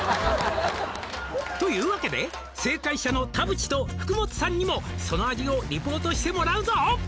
というわけで正解者の田渕と福本さんにも」「その味をリポートしてもらうぞ」